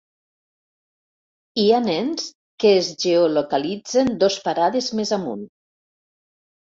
Hi ha nens que es geolocalitzen dos parades més amunt.